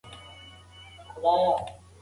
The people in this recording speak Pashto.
که د مېوو بیه ټیټه شي نو هر څوک یې اخلي.